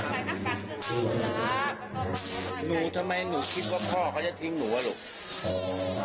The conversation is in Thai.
หนูไหนใจพวกมนุษย์